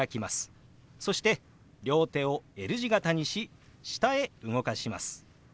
そして両手をＬ字形にし下へ動かします。